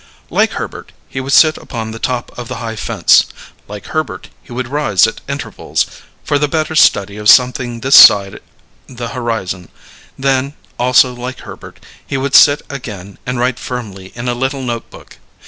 Like Herbert he would sit upon the top of the high fence; like Herbert he would rise at intervals, for the better study of something this side the horizon; then, also like Herbert, he would sit again and write firmly in a little notebook.